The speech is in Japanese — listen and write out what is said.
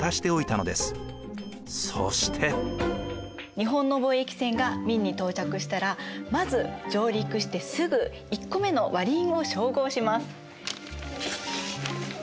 日本の貿易船が明に到着したらまず上陸してすぐ１個目の割り印を照合します。